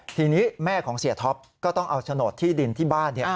ทีนี้แม่ของเสียท็อปก็ต้องเอาโฉนดที่ดินที่บ้าน